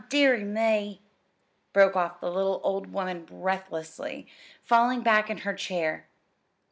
An' dearie me!" broke off the little old woman breathlessly, falling back in her chair.